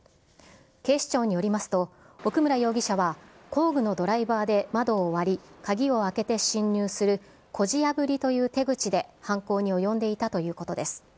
警視庁によりますと、奥村容疑者は工具のドライバーで窓を割り、鍵を開けて侵入する、こじ破りという手口で犯行に及んでいたということです。